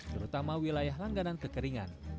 terutama wilayah langganan kekeringan